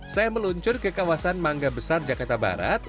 saya meluncur ke kawasan mangga besar jakarta barat